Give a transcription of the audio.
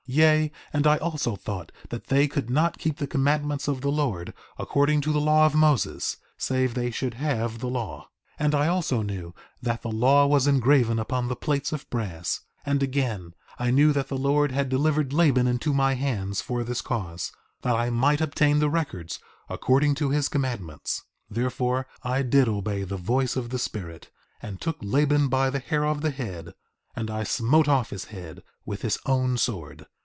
4:15 Yea, and I also thought that they could not keep the commandments of the Lord according to the law of Moses, save they should have the law. 4:16 And I also knew that the law was engraven upon the plates of brass. 4:17 And again, I knew that the Lord had delivered Laban into my hands for this cause—that I might obtain the records according to his commandments. 4:18 Therefore I did obey the voice of the Spirit, and took Laban by the hair of the head, and I smote off his head with his own sword.